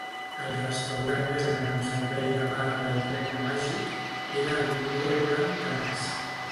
El restaurant més gran amb servei de barra del Regne Màgic era el Tomorrowland Terrace.